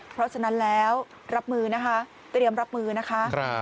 เพราะฉะนั้นแล้วรับมือนะคะเตรียมรับมือนะคะ